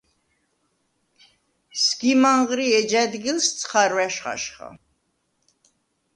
სგიმ ანღრი, ეჯ ა̈დგილს ცხვარვა̈შ ხაჟხა.